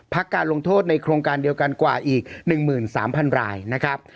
การลงโทษในโครงการเดียวกันกว่าอีก๑๓๐๐รายนะครับ